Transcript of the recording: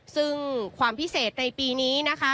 ซึ่งความพิเศษในปีนี้นะคะ